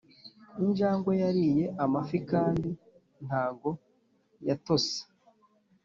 injangwe yariye amafi kandi ntago yatose.